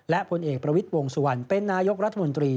และผลเอกประวิทย์วงสุวรรณเป็นนายกรัฐมนตรี